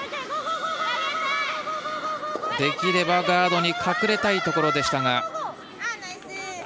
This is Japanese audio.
ガードに隠れたいところでしたが。